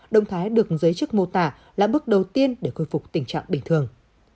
động thái được giới chức mô tả là bước đầu tiên để khôi phục tình trạng bình thường